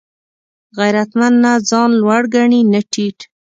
غیرتمند نه ځان لوړ ګڼي نه ټیټ